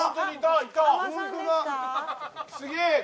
すげえ！